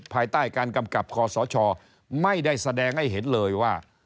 ภายใต้การกำกับคอสชไม่ได้แสดงให้เห็นเลยว่า